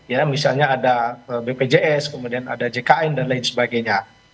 ya misalnya ada bpjs kemudian ada jkn dan lain sebagainya